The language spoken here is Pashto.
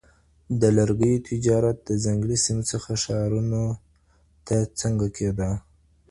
د لرګیو تجارت د ځنګلي سیمو څخه ښارونو ته څنګه کېده؟